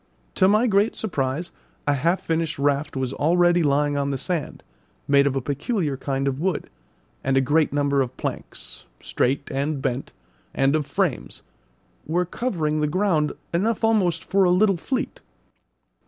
To my great surprise a half finished raft was already lying on the sand, made of a peculiar kind of wood, and a great number of planks, straight and bent, and of frames, were covering the ground, enough almost for a little fleet.